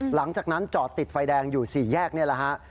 หลังจากนั้นจอดติดไฟแดงอยู่๔แยกนี่แหละฮะ